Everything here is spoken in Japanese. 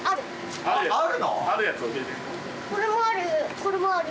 これもある。